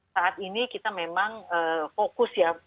saat ini kita memang fokus ya